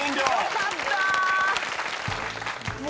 よかった。